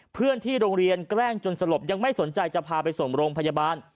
เพื่อนที่โรงเรียนแกล้งจนสลบยังไม่สนใจจะพาไปส่งโรงพยาบาล